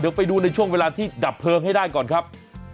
เดี๋ยวไปดูในช่วงเวลาที่ดับเพลิงให้ได้ก่อนครับ